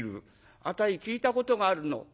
「あたい聞いたことがあるの。